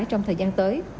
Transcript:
trong thời gian tới